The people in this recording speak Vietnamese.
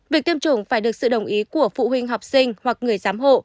việc tiêm chủng phải được sự đồng ý của phụ huynh học sinh hoặc người giám hộ